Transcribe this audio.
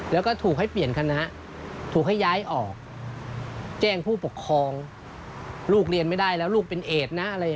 แล้วก็ถูกให้เปลี่ยนคณะถูกให้ย้ายออกแจ้งผู้ปกครองลูกเรียนไม่ได้แล้วลูกเป็นเอดนะอะไร